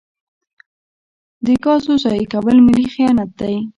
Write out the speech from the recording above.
د ګازو ضایع کول ملي خیانت دی.